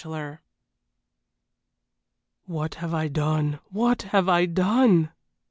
XIII "What have I done? What have I done?"